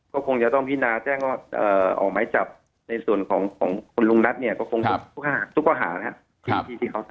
ก็คงจะต้องพินาฐ์แจ้งออกแบบในส่วนของคนลุงนัทท์ก็คงทุกก้าหานะครับ